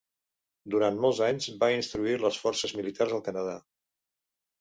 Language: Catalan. Durant molts anys va instruir les forces militars al Canadà.